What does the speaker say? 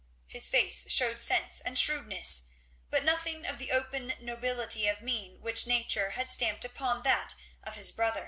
His face showed sense and shrewdness, but nothing of the open nobility of mien which nature had stamped upon that of his brother.